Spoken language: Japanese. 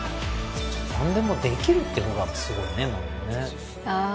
何でもできるっていうのがすごいねまずねああ